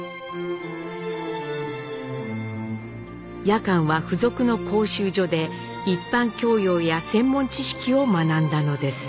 夜間は付属の講習所で一般教養や専門知識を学んだのです。